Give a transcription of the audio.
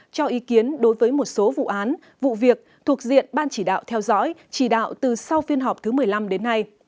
cho ý kiến đối với một số vụ án vụ việc thuộc diện ban chỉ đạo theo dõi chỉ đạo từ sau phiên họp thứ một mươi năm đến nay